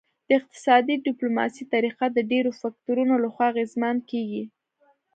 د اقتصادي ډیپلوماسي طریقه د ډیرو فکتورونو لخوا اغیزمن کیږي